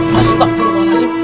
mas takfirmu anasib